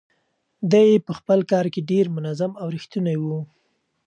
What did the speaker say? دی په خپل کار کې ډېر منظم او ریښتونی و.